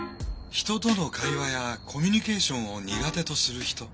人との会話やコミュニケーションを苦手とする人。